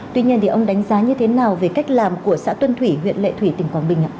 tuy nhiên ông đánh giá như thế nào về cách làm của xã tuân thủy huyện lệ thủy tỉnh quảng bình ạ